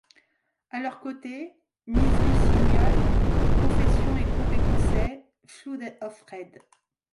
À leur côté Misery Signals, Confession et groupe écossais Flood of Red.